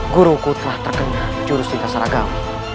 guruku telah terkena jurus lintas ragam